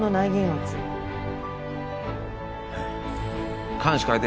はい。